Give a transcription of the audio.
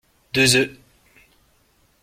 deux oeufs